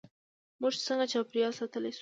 موږ څنګه چاپیریال ساتلی شو؟